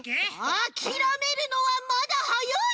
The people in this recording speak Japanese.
あきらめるのはまだはやい！